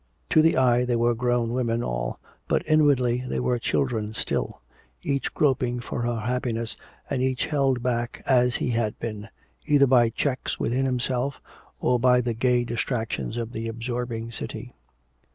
To the eye they were grown women all, but inwardly they were children still, each groping for her happiness and each held back as he had been, either by checks within herself or by the gay distractions of the absorbing city.